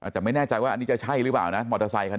แต่ไม่แน่ใจว่าอันนี้จะใช่หรือเปล่านะมอเตอร์ไซคัน